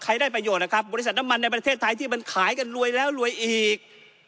ได้ประโยชน์นะครับบริษัทน้ำมันในประเทศไทยที่มันขายกันรวยแล้วรวยอีก